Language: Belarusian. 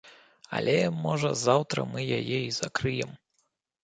Але, можа, заўтра мы яе і закрыем.